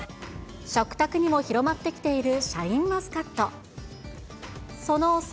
食卓にも広まってきているシャインマスカット。